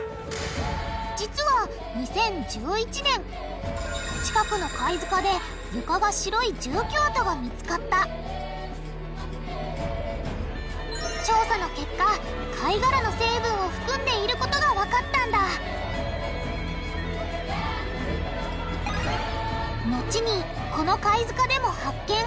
実は２０１１年近くの貝塚で床が白い住居跡が見つかった調査の結果貝がらの成分を含んでいることがわかったんだ後にこの貝塚でも発見。